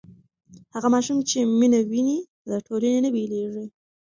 هغه ماشوم چې مینه ویني له ټولنې نه بېلېږي.